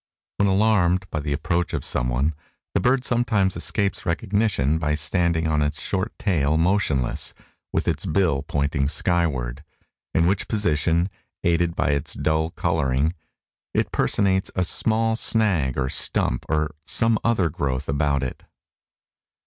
When alarmed by the approach of someone the bird sometimes escapes recognition by standing on its short tail motionless with its bill pointing skyward, in which position, aided by its dull coloring, it personates a small snag or stump or some other growth about it.